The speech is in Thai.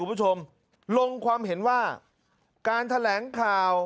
คุณผู้ชมลงความเห็นว่าการแถลงข่าว